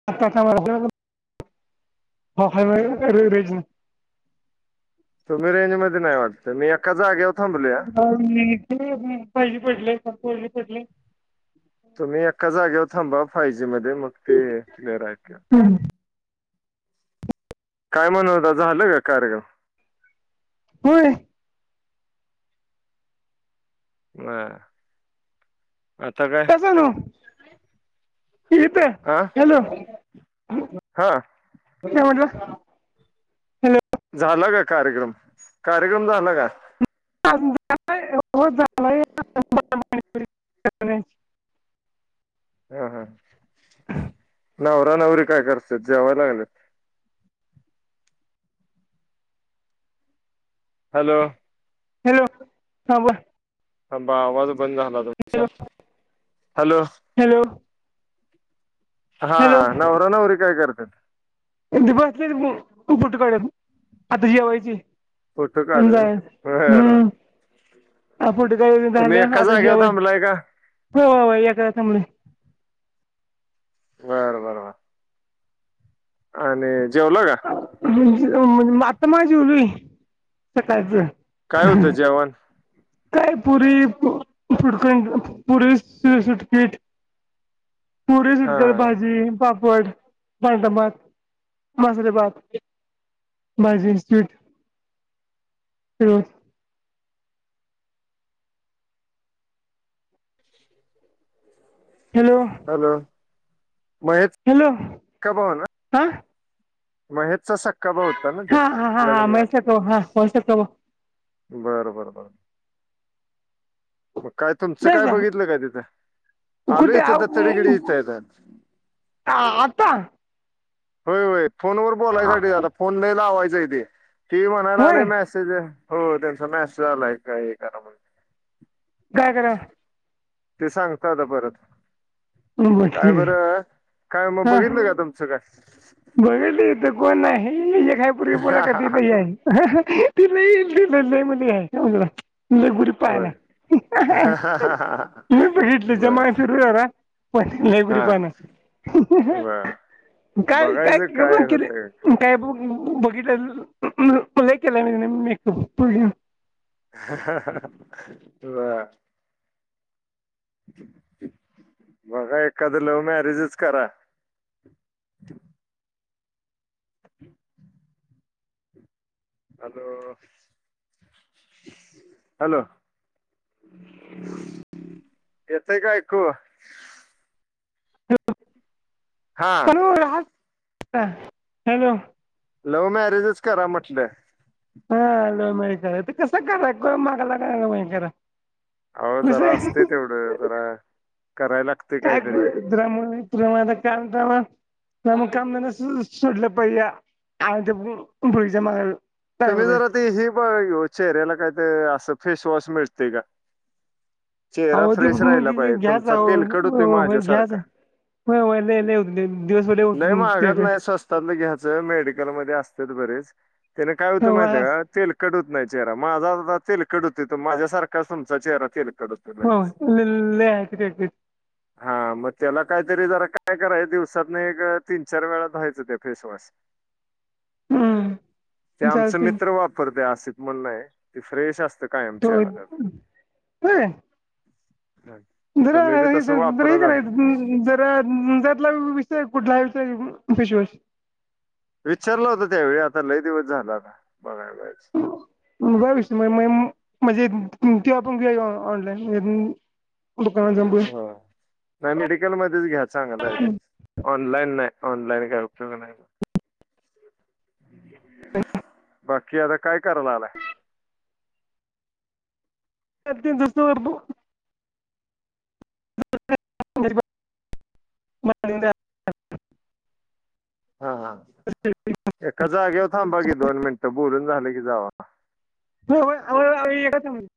[inaudible] तुम्ही रेंज मध्ये नाही वाटत? ते मी एका जागेवर थांबलोय आ मी तेही पहिले पडले हे का पहिले पडले हे का [unintelligible] तुम्ही एका जागेवर थांबा फाय जी मध्ये मग ते क्लिअर आईका हम्म. काय म्हणत होता झालं का कार्यक्रम? होय. ह. आता काय? हेलो, ईथे आह हॅलो [inaudible] हा, हे आवडल, हॅलो झाला का कार्यक्रम, कार्यक्रम झाला का? [inaudible] हा हा नवरा नवरी काय करतेंत? जेवाय लागलेत. हॅलो, हॅलो हां बोल थांबा माझा बंद झाला होता तुमचा हॅलो हॅलो. हा हॅलो नवरा, नवरी काय करतेत बसले कुठ कुंकाळत आता जेवायचे फोटो काढ अं जायच बर बर. हम्म, हां फोटो काढून तुम्ही झाला हे एका आता जागेवर जेवाय थांबलाय का हो, हो, हो, हे काय थांबलो हे बरं बरं बरं, आणि जेवला का? आता माझे बरोबर हे सकाळच ह काय होतं [unintelligible] जेवण काय पुरी फटकं पुरी सुटपठ [unintelligible] पुरी, हा सुटक हा. भाजी, पाप, पापड, पांढर भात, मसाले भात, माझ institute hello. Hello Mahesh hello सक्का भाऊ ना हा महेशचा सक्का भाऊ होता ना तो हा हा हा हा लग्ना? मैसक हा वैसक बर, बर, बर, मग काय तुमचं काय द्यासा बघितलं काय तिथं आलू कुठे इथं दत्ता कडे घरी आहे इथंय ह आता होय, होय फोन वर बोलायसाठी फोन नाही लावायचं आहे तेे म्हणायला होय आले म त्याचं हो त्यांचा मॅसेज आला हे कराव म्हणुन काय कराव? ते सांगता आता परत बरं ठीक काय बरं, काय मग बघितलं का तुमचं काय? बघीतीली कोण नाही ते काय कायपूर्वी मुला कडची ती नाही आहे. ती नाही ती नाही म्हणेल यायला पायला होय नाही मी बघितलं बर जमाग फिरूया पण लाय गोरी हा पान बर हाय बघायचं काय होतंय काय ब बघितलंले केला म म ब [unintelligible] वा [unintelligible] बघा एखादं लव मॅरेजच करा. [inaudible] Hello, hello. येतं काय ऐकू? हा [unintelligible] हा हॅलो लव्ह मॅरेजच करा म्हटलं. हा लव मॅरेज करा ते कस? कराय कोण माग लागाय व्हय खर आओ जरा असतय, तेवढं जरा कराय लागत. काय करू मित्रा म्हणून तुला माझा [unintelligible] नमकंद सुडलं पय आपयज मग [unintelligible] तुम्ही जरा ते हे बघा चेहऱ्याला काहीतर असं, फेसवॉश मिळतय का? चेहरा आव ते फ्रेश पण राहिला पाहिजे घ्यायचय तुमचा तेलकट होतोय ओ माझ्यासारखा घ्यायचय. व्हय व्हय लइ हो दिवसभर लई होतय तेलकट स्वस्तातल घ्यायचं, मेडिकलमध्ये असत्यात बरेच त्याने काय होतंय हो माहित आहे का? तेलकट होत नाही चेहरा मझ तेल कडूत येतो माझ्यासारखा तुमचा चेहरा तेल कढत होय लई हलके देत्यात. हा मग त्याला काहीतरी जरा काय करायच, दिवसातन एक, तीन, चार वेळा धुवायचं ते फेसवॉश ने हुं. ते आमच मित्र वापरतय, आसित म्हनुन हाय ती फ्रेश असत्यात कायम होय चेहरा करत्यात. जरा हे स्प्रे करायचं. तर जातला विषय कुठलाय विशय कुठला हाय फेश वॉश विचारला होता, त्यावेळी आता लय दिवस झाला ना बघाय पाहिजे. बस् म्हणजे ते आपण घ्यायचं ऑनलाईन दूकानात जावून बघ हो नाही मेडिकलमध्येच घ्या, चांगल हाय तेे, ऑनलाईन नाही, ऑनलाईन काय उपयोग नाही ते बाकी आता काय कराय लागलाय? ते त तींजस तवर धू [unintelligible] म [unintelligible] हा हा एका जागेवर थांबा की, दोन मिनिटं, बोलून झाल की जावा. होय आलो एकच मिनिट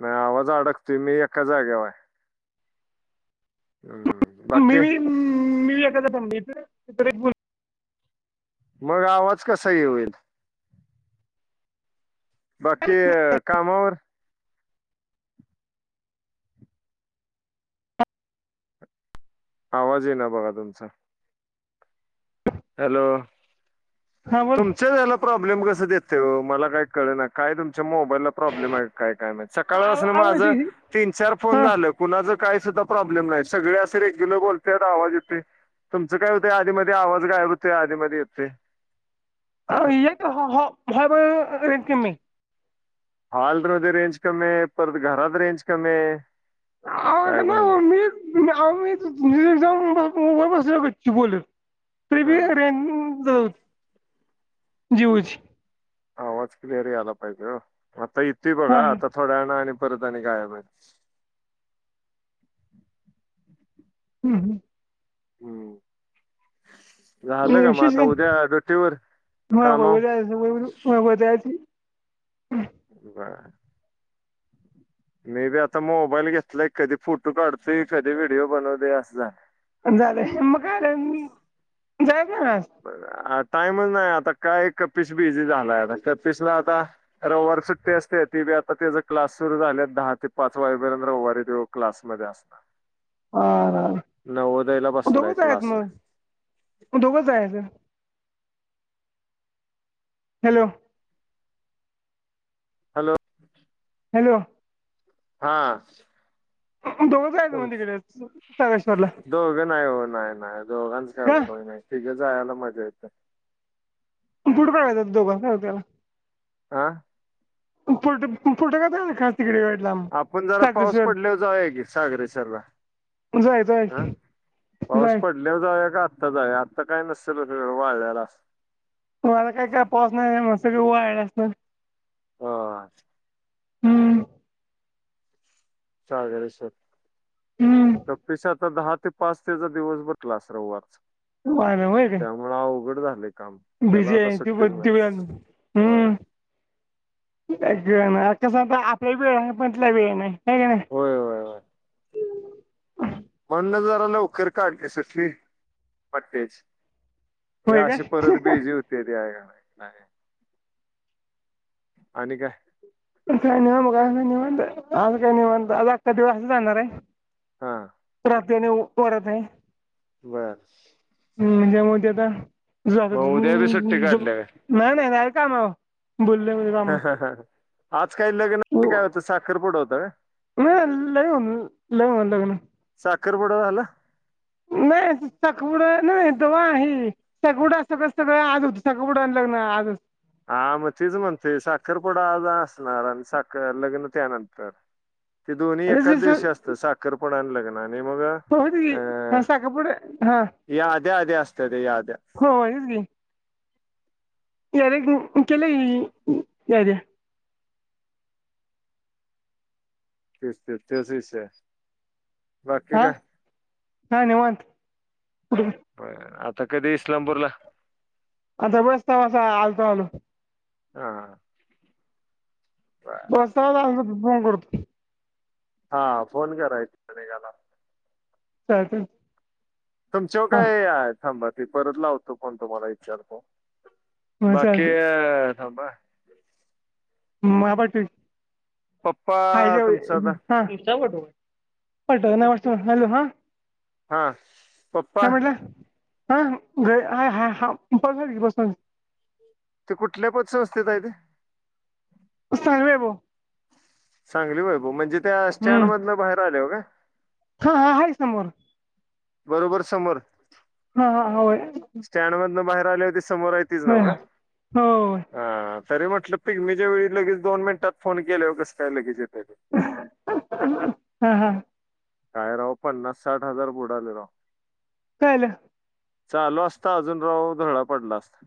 नाही आवाज अडकतोय, मी एका जाग्यावर हाय हम्म. बाकी. ह्मम मी एका जाग्यावर थांबलोय इथ, तिथ एक मुलगी मग आवाज कसा हे होईल? बाकी कामावर आवाज इ ना बघा तुमचा हॅलो, हा बोल तुमच्याच हेला प्रॉब्लेम कस देतय? ओ मला काय कळ ना, काय तुमच्या मोबाईलला प्रॉब्लेम आहे काय? काय माहित. सकाळपासून माझ तीन, चार फोन झाल कुणाच काय सुद्धा प्रॉब्लेम नाही? सगळे असे रेग्युलर बोलत्यात आवाज येतोय. तुमचं काय होतय आधीमध्ये आवाज गायब होतय आधी मध्ये येतय? आव ए काय हॉ हॉल मध्ये रेंज कमी हॉल मध्ये रेंज कमी हाय, परत घरात रेंज कमी हाय आवो अस नाई ओ आवो मी मी बसलोय बोलत हम्म प्रिबेयर रेंज द जीओची. आवाज क्लिअर यायला पाहिजे हो, आता येतोय बघा हा आता थोड्यावेळाने आणि परत आणि गायब हाय हम्म हम्म. हम्म झालं मग येवशीच आता का उद्या ड्युटीवर म कामावर ब [unintelligible] बर. मे बी आता मोबाईल घेतलाय, कधी फोटो काढतोय, कधी व्हिडीओ बनवतोय, असं झालय. झालं मग काला म जायच ना. टाइमच नाही आता काय कपीस बीझी झालाय आता, कपीसला आता. रविवार सुट्टी असते, ती बी आता त्याचा क्लास सुरू झाले, दहा ते पाच वाजेपर्यंत रविवारी तो क्लासमध्ये असतो. [inaudible] हा नवद्ययला बसलाय क्लासला. दोघंच आहे सर, हॅलो. हॅलो. हॅलो. हा. दोघं जायचं तुम, मग तिकडे सागेश्वरला दोघं नाय हो नाय नाय दोघांचा काय का उपयोग नाय. ठीके जायला मजा येते, पण कुठे काय जात, दोघांस त्याला आ. पुट पुलट का का [unintelligible] तिकडे वाइट लाब. आपण जरा पाऊस पडलेव जाउया की, सागरेश्वर ला. जायच की. पाऊस पडल्याव जावूया का, आत्ता जावूया, आत्ता काय नसेल सगळ वाळल्याल अ मला काही काय पाउस नाही, मंस्त पैकी वाळलेल्या असल. हो. हम्म. सागरेश्वर, हम्म त पिसाच दहा ते पाच तेचा दिवस बघटलास रविवारच. वाढ होय काय त्यामुळे अवघड झालंय काम, त्याला बिझी आता आहे ती सुट्टीच पण ती नाही, पण. ते बघा. अ कसं आता आपल्या वेळ आहे पण, त्याला वेळ नाही हाय का नाही. होय होय होय हम् [inaudible] म्हणून जराला लवकर काढलीस असली वाटतेच हे होय काय अशी परत बिझी होते ते का नाही. आणि काय काय नाही मग आ काही नि म्हणत आज काही नि म्हणत आज अखका दिवस असं जाचाणार आह [inaudible] हा ते वरत नाही [inaudible] बर हम्णजे मती आता मग उद्या बी सुट्टी ज काढल्या [inaudible] नाही नाही नाही काम जाईल काम बोललोय मी हा आज काही लग्न नाही काय होतं साखरपुडं होतं. का नाही लन लवन लग ना सखर पुडवाला नाही साखरपुडा नाही तवा आहे सगबडं अस सगळं सगळं आज होतं सगवुडं आण लगन आज होतं [unintelligible] [unintelligible] हा मग तीच म्हणतोय, साखरपुडा आज असणार अन साखर, लग्न त्यानंतर. ते दोन्ही एकाच दिवशी असतं, साखरपुडान लग्न आणि मग होतीच की अ हा साखरपुडा हा याद्या अदी असताते, याद्या. हो हेच गी यार केला याद्या [inaudible] तेच ते तेच विषय बाकी हा काय हां निवांत प आता कधी इस्लामपूर ला? आता बस्तवसा आलतव हा. बरं. [unintelligible] फोन करतो. हा फोन करायचं निघालास चालतयं. तुमच्यावर काय थांबा की परत लावतो फोन तुम्हाला विचारतो. हा बाकी चालतंय अ थांबा - - मा पाटूव पप्पा [unintelligible] तुमचा आता [unintelligible] हाटल हा [inaudible] हा. पप्पा काय म्हटलं ह घ ह हा हा बसा की बसाना. ते कुठल्या पदसंस्थेत हाय ते? सांगली वैभव. सांगली वैभव म्हणजे त्या स्टॅन्ड हम्म मधलं बाहेर आल्यावर काय? हा, हा. हाई समोर. बरोबर समोर. हा, हा. ह होय. स्टॅडमधनं बाहेर आल्यावर ती समोर हाय तीच होय नव का? होय होय हा. तरी म्हटलं पिगमीच्या वेळी लगेच दोन मिनिटात फोन केल्याव कसं काय लगेच येताय तुम्ही. हा, हा. काय राव पन्नास साठ हजार बुडालं राव. काय आलं? चालू असता अजून राव धुळा पाडला असता.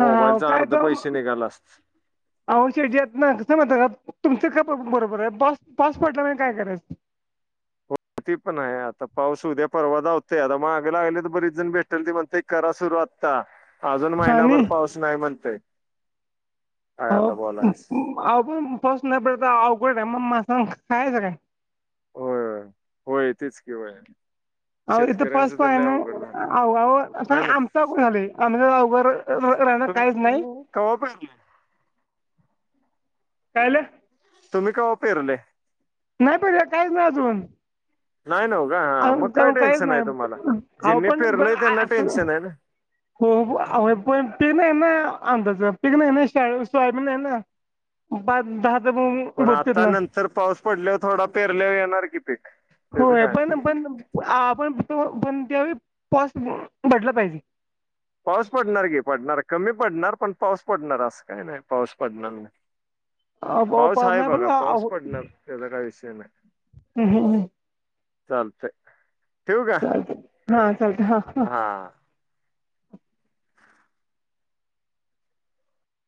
हा हा मोबाईलच अर्ध पैसे निघाल असत. आओ शेटजी यात [unintelligible] कस नातात [inaudible] तुमचं ख बरोबर हाय. पास पाऊस पडला नाही काय करायचं? ते पण हाय आता पाऊस उद्या परवा दावतयं आता मागं लागल्यात बरीच जण भेटेल ते म्हणतयं - - करा सुरुवात ता अजून आणि महिनाभर पाऊस नाही म्हणतंय. पण पाऊस नाही पडला तर मग अवघड हाय. मग माणसानं खायाचं काय? होय. होय. तीच की व्हयं. अ इथ पाच पा आहे ना अवगाव अस हाय ना आमचा झाले आम अवघ रा - - [unintelligible] कवापण - - काय आलं? तुम्ही कवा पेरलेयं? नाही पेरलं काहीच नाही अजून नायनव का? अ हा मग काय काहीच टेन्शन आहे नाही तुम्हाला ह आओ ज्यांनी पण अ पेरलंय आ त्यांना स टेन्शन आहे ना हो. पण पिक नाही आहे ना अंदाज पिक नाही सोयाबीन आहे ना? पाच दहाच - - पण आता नंतर पाऊस पडल्यावर थोडा पेरल्यावर येणार कि पीक. त्याचं होय. काय पण पण आपण पण त्यावेळी पाऊस भेटला पाहिजे. पाऊस पडणार की पडणार कमी पडणार पण पाऊस पडणार असं काय नाही पाऊस पडणार नाही. पाऊस आहे नाही बघा पडला पाऊस पडणार. त्याचा काही विषय नाही. हम ह. चालतंय. चालतयं. हा. चालतयं हा. हां.